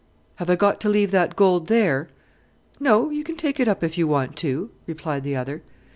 "Have I got to leave that gold there?" "No, you can take it up if you want to," replied the other.